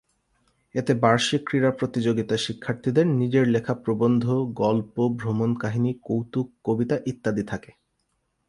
এতে বার্ষিক ক্রীড়া প্রতিযোগিতা, শিক্ষার্থীদের নিজের লেখা প্রবন্ধ, গল্প, ভ্রমণকাহিনী, কৌতুক, কবিতা ইত্যাদি থাকে।